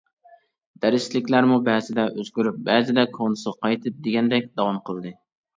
دەرسلىكلەرمۇ بەزىدە ئۆزگىرىپ، بەزىدە كونىسىغا قايتىپ دېگەندەك داۋام قىلدى.